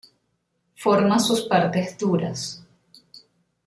Forma sus partes duras.